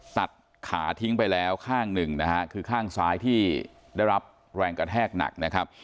ตัดขาทิ้งไปแล้วข้างหนึ่งนะฮะคือข้างซ้ายที่ได้รับแรงกระแทกหนักนะครับ